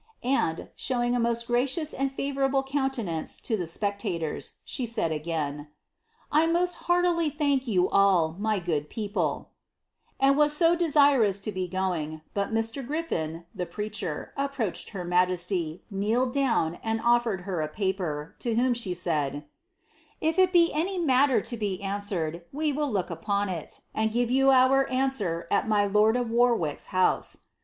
'" And, showing a most gracious an favouruble countenance to the spectators, she said again, "1 mot heartily thank you all, my good people," and bo wns desirous to b going, but Mr. Griflin, the preacher, approached her majesty, kneele down, and offered her a paper, to whom she said, " If it be any mallf to be answered, we will look upon it, and give you our answer at m lord of Warwick's house."